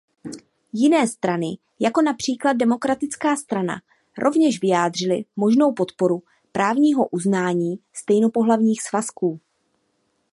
Jiné strany jako například Demokratická strana rovněž vyjádřili možnou podporu právního uznání stejnopohlavních svazků.